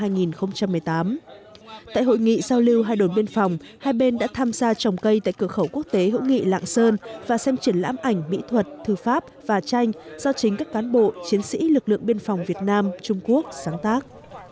tại hội nghị giao lưu hai đồn biên phòng hai bên đã tham gia trồng cây tại cửa khẩu quốc tế hữu nghị lạng sơn và xem triển lãm ảnh mỹ thuật thư pháp và tranh do chính các cán bộ chiến sĩ lực lượng biên phòng việt nam trung quốc sáng tác